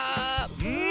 うん。